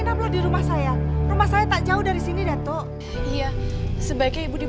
ibu kayak disini ibu